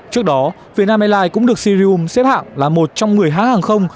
trước đó việt nam airlines cũng được sirium xếp hạng là một trong người hãng hàng không